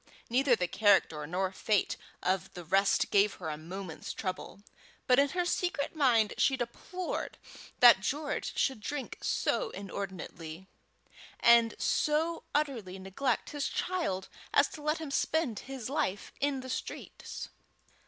Neither the character nor fate of one of the rest gave her a moment's trouble; but in her secret mind she deplored that George should drink so inordinately, and so utterly neglect his child as to let him spend his life in the streets.